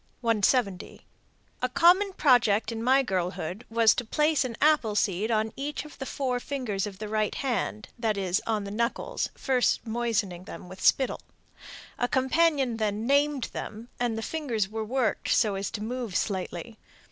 _ 170. "A common project in my girlhood was to place an apple seed on each of the four fingers of the right hand, that is, on the knuckles, first moistening them with spittle. A companion then 'named' them, and the fingers were worked so as to move slightly.